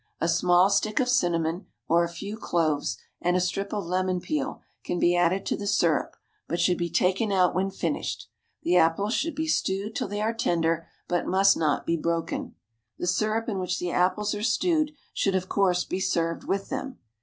A small stick of cinnamon, or a few cloves, and a strip of lemon peel can be added to the syrup, but should be taken out when finished. The apples should be stewed till they are tender, but must not be broken. The syrup in which the apples are stewed should of course be served with them.